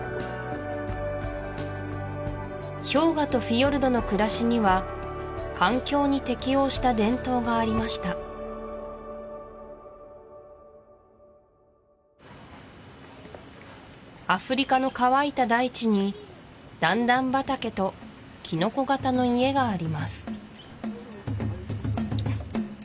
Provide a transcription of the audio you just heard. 氷河とフィヨルドの暮らしには環境に適応した伝統がありましたアフリカの乾いた大地に段々畑とキノコ形の家があります